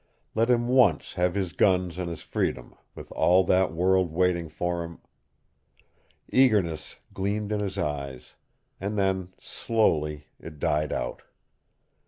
Let him once have his guns and his freedom, with all that world waiting for him Eagerness gleamed in his eyes, and then, slowly, it died out.